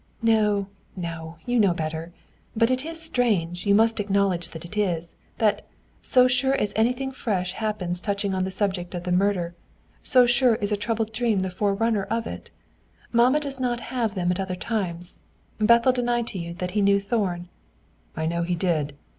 "No, no; you know better. But it is strange you must acknowledge that it is that, so sure as anything fresh happens touching the subject of the murder, so sure is a troubled dream the forerunner of it. Mamma does not have them at other times. Bethel denied to you that he knew Thorn." "I know he did."